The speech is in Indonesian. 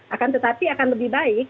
akan tetapi akan lebih baik